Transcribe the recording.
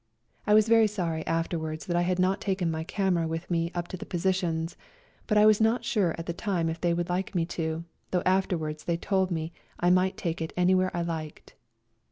I was very sorry afterwards that I had not taken my camera with me up to the positions, but I was not sure at the time if they would like me to, though after wards they told me I might take it any where I liked.